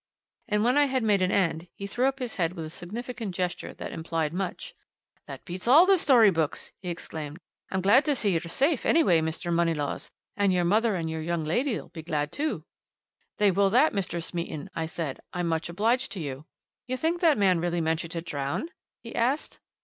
And when I had made an end, he threw up his head with a significant gesture that implied much. "That beats all the story books!" he exclaimed. "I'm glad to see you're safe, anyway, Mr. Moneylaws and your mother and your young lady'll be glad too." "They will that, Mr. Smeaton," I said. "I'm much obliged to you." "You think that man really meant you to drown?" he asked.